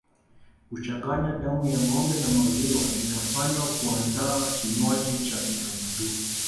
Kuchanganya damu ya ngombe na maziwa inafanywa kuandaa kinywaji cha kitamaduni